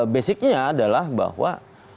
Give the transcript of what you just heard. basicnya adalah bahwa